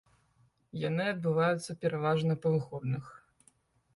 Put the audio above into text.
Яны адбываюцца пераважна па выходных.